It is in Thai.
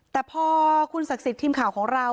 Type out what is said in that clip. แต่พอคุณศักดิ์สิทธิ์ทีมข่าวของเรา